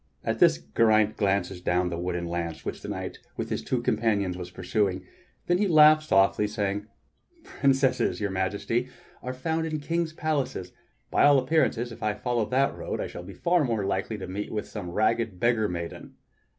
At this Geraint glances down the wooden lane which the knight with his two companions was pursuing, then he laughed softly, saying: "Princesses, Your Majesty, are found in kings' palaces. By all appearances, if I follow that road, I shall be far more likely to meet with some ragged beggar maiden."